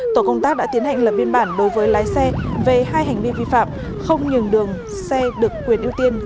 tổ công tác đã tiến hành lập biên bản đối với lái xe về hai hành vi vi phạm không nhường đường xe được quyền ưu tiên